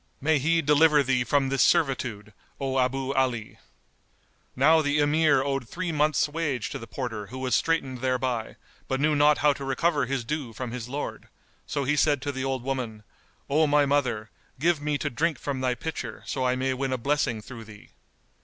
May He deliver thee from this servitude, O Abu Ali!" Now the Emir owed three months' wage to the porter who was straitened thereby, but knew not how to recover his due from his lord; so he said to the old woman, "O my mother, give me to drink from thy pitcher, so I may win a blessing through thee."